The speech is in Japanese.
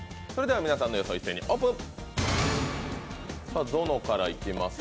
皆さんの予想、一斉にオープン。